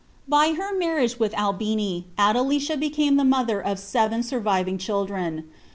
I3y her marrtage with Albini, Adelicia became the mother of tent surviving children.